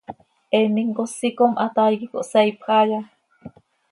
¿Eenim cosi com hataai quih consaaipj haaya?